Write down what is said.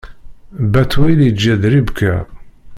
Batwil iǧǧa-d Ribka.